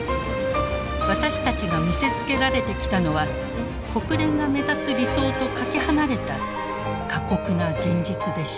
私たちが見せつけられてきたのは国連が目指す「理想」とかけ離れた過酷な「現実」でした。